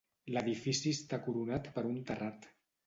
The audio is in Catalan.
L'edifici està coronat per un terrat.